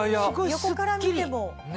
横から見ても。